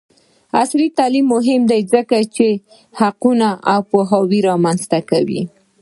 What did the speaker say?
عصري تعلیم مهم دی ځکه چې د حقونو پوهاوی رامنځته کوي.